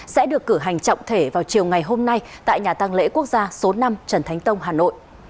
sẽ được cử hành trọng thể vào chiều ngày hôm nay tại nhà tăng lễ quốc gia số năm trần thánh tông hà nội